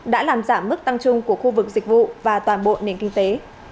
đã làm giảm mức tăng chung của khu vực dịch vụ và toàn bộ nền kinh tế